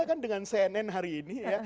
sama kan dengan cnn hari ini ya